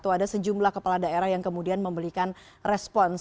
ada sejumlah kepala daerah yang kemudian memberikan respons